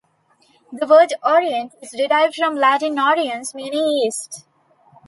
The word "orient" is derived from Latin "oriens", meaning East.